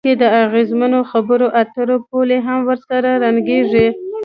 بلکې د اغیزمنو خبرو اترو پولې هم ورسره ړنګیږي.